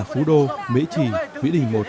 phú đô mỹ trì mỹ đình một